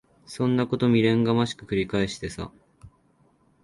そんなこと未練がましく繰り返してさ。